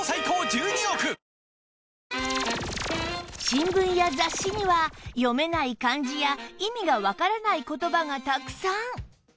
新聞や雑誌には読めない漢字や意味がわからない言葉がたくさん